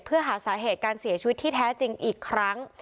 เพื่อหาสาเหตุการเสียชีวิตที่แท้จริงอีกครั้ง